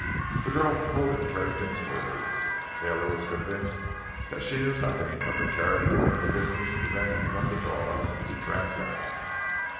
The girl quoted Carrington's words; Taylor was convinced that she knew nothing of the character of the business the men had come to Dawes to transact.